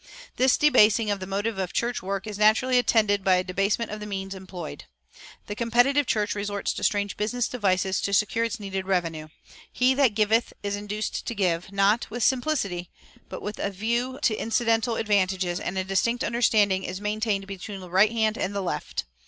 This debasing of the motive of church work is naturally attended by a debasement of the means employed. The competitive church resorts to strange business devices to secure its needed revenue. "He that giveth" is induced to give, not "with simplicity," but with a view to incidental advantages, and a distinct understanding is maintained between the right hand and the left.